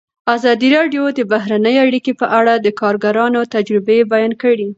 ازادي راډیو د بهرنۍ اړیکې په اړه د کارګرانو تجربې بیان کړي.